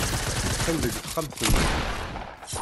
Qqim deg texxamt-nnem.